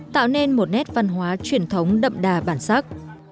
tạo nên một nét văn hóa truyền thống đậm đà bản sắc